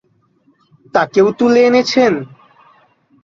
তাকেও তুলে এনেছেন?